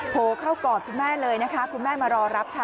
โผล่เข้ากอดคุณแม่เลยนะคะคุณแม่มารอรับค่ะ